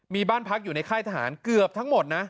มีบ้านพักอยู่ในค่ายทหารเกือบทั้งหมดนะ